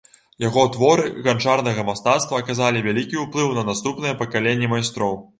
Яго творы ганчарнага мастацтва аказалі вялікі ўплыў на наступныя пакаленні майстроў.